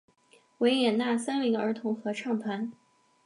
维也纳森林儿童合唱团。